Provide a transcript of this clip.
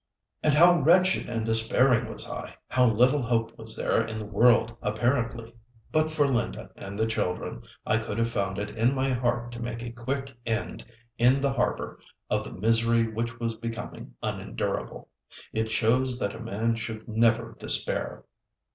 And how wretched and despairing was I, how little hope was there in the world apparently! But for Linda and the children, I could have found it in my heart to make a quick end, in the harbour, of the misery which was becoming unendurable. It shows that a man should never despair.